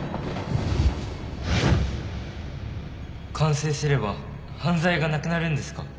完成すれば犯罪がなくなるんですか？